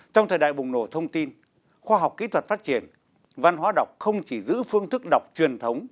trong thời đại bùng nổ thông tin khoa học kỹ thuật phát triển văn hóa đọc không chỉ giữ phương thức đọc truyền thống